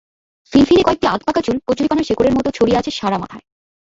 ফিনফিনে কয়েকটি আধপাকা চুল কচুরিপানার শেকড়ের মতো ছড়িয়ে আছে সারা মাথায়।